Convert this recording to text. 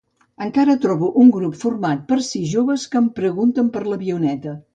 Encara trobo un grup format per sis joves que em pregunten per l'avioneta.